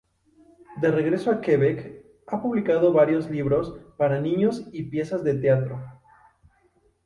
De regreso a Quebec, ha publicado varios libros para niños y piezas de teatro.